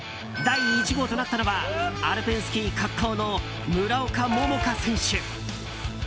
第１号となったのはアルペンスキー滑降の村岡桃佳選手。